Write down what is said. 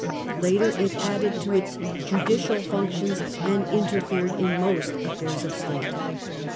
Later it added to its judicial functions and interfered in most affairs of State.